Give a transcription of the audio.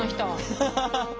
ハハハハッ。